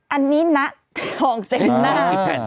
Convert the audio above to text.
อันนี้หน้าทองเต็มหน้า